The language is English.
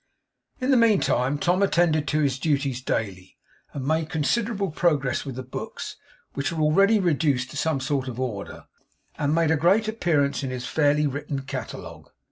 In the meantime Tom attended to his duties daily, and made considerable progress with the books; which were already reduced to some sort of order, and made a great appearance in his fairly written catalogue.